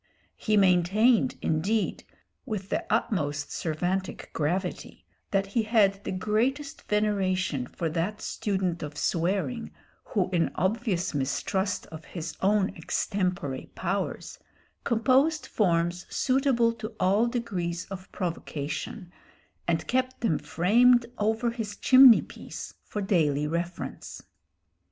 He maintained, indeed, with the utmost Cervantic gravity, that he had the greatest veneration for that student of swearing who, in obvious mistrust of his own extempore powers, composed forms suitable to all degrees of provocation, and kept them framed over his chimney piece for daily reference.